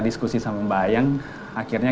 diskusi sama mbak ayang akhirnya